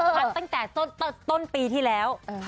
พัดตั้งแต่ต้นปีที่แล้ว